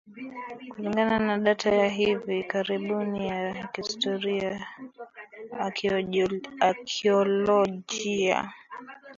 kulingana na data ya hivi karibuni ya kihistoria akiolojia